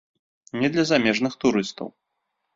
Не для замежных турыстаў.